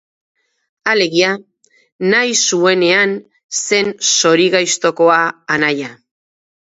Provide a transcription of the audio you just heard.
Alegia, nahi zuenean zen zorigaiztokoa anaia.